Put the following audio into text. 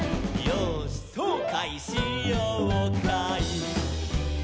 「よーしそうかいしようかい」